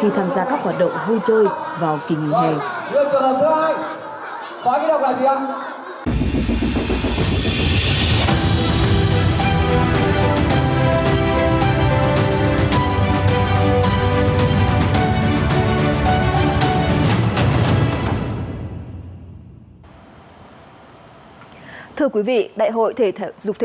khi tham gia các hoạt động hơi chơi vào kỳ nghỉ hè